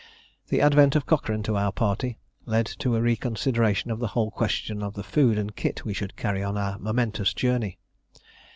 The advent of Cochrane to our party led to a reconsideration of the whole question of the food and kit we should carry on our momentous journey.